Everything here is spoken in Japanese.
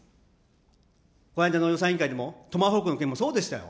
この間の予算委員会でもトマホークの件でもそうでしたよ。